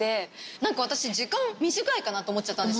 何か私時間短いかなと思っちゃったんですよ